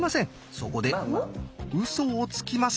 そこでウソをつきます。